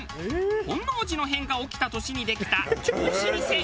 本能寺の変が起きた年にできた超老舗。